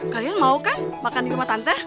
kalian mau kan makan di rumah tante